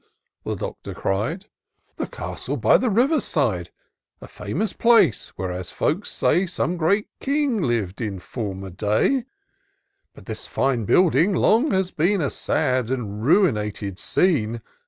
the Doctor cried. " The castle by the river side ; A famous place, where, as folk say, Some great king liv'd in former day : But this fine building long has been A sad and ruinated scene.